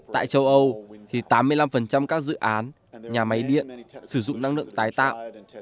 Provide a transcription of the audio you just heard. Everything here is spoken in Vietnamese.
tại châu âu thì tám mươi năm các dự án nhà máy điện sử dụng năng lượng tái tạo